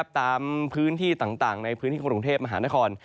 ตามพื้นที่ต่างในพื้นที่กรุงเทพมหานคร